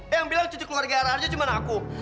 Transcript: ayang bilang cucu keluarga arjo cuma aku